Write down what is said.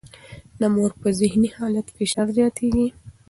د مور پر ذهني حالت فشار زیاتېږي.